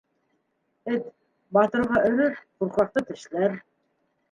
Эт батырға өрөр, ҡурҡаҡты тешләр.